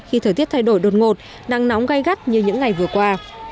khi thời tiết thay đổi đột ngột nắng nóng gai gắt như những ngày vừa qua